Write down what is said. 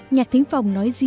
nhạc thính phòng